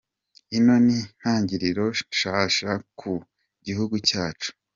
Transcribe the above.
"Ino ni intangiriro nshasha ku gihugu cyacu.